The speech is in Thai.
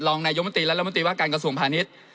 ลองในยมติและยมติว่าการกระทรวงพาณิชย์